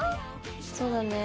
そうだね。